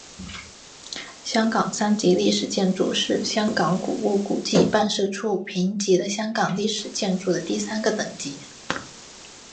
香港三级历史建筑是香港古物古迹办事处评级的香港历史建筑的第三个级别。